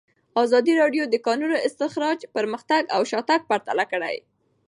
ازادي راډیو د د کانونو استخراج پرمختګ او شاتګ پرتله کړی.